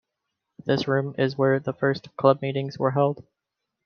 This room is where the first club meetings were held.